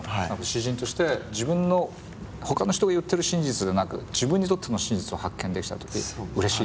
詩人として自分のほかの人が言ってる真実でなく自分にとっての真実を発見できた時うれしいってことだよね。